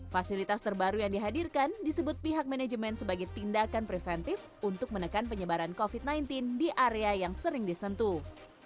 fasilitas terbaru yang dihadirkan disebut pihak manajemen sebagai tindakan preventif untuk menekan penyebaran covid sembilan belas di area yang sering disentuh